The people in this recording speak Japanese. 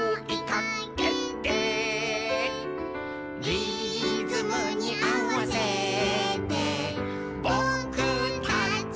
「リズムにあわせてぼくたちも」